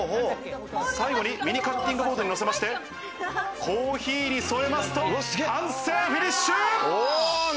最後にミニカッティングボードにのせまして、コーヒーに添えますと、完成、フィニッシュ。